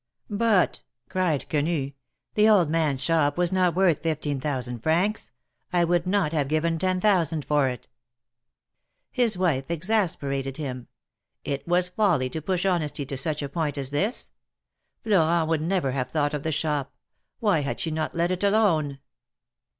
"But," cried Quenu, "the old man's shop was not worth fifteen thousand francs. I would not have given ten thousand for it !" His wife exasperated him ; it was folly to push honesty to such a point as this; Florent would never have thought of the shop ; why had she not let it alone